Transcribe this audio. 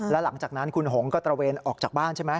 แล้วหลังจากนั้นคุณหงก็ตระเวนออกจากบ้านใช่ไหม